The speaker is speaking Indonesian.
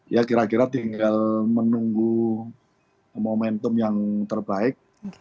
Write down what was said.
ya kira kira tinggal menunggu momentum yang terbaik